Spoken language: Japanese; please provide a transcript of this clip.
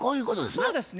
そうですね。